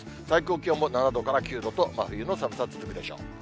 最高気温も７度から９度と、真冬の寒さ続くでしょう。